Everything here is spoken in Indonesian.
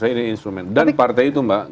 ini instrumen dan partai itu mbak